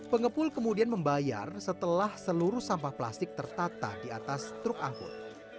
pengepul kemudian membayar setelah seluruh sampah plastik tertata di atas truk angkut